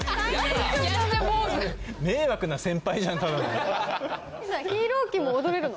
迷惑な先輩じゃんただの。